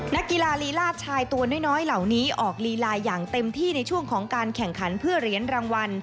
นักกีฬาลีลาดชายตัวน้อยเหล่านี้ออกลีลาอย่างเต็มที่ในช่วงของการแข่งขันเพื่อเหรียญรางวัล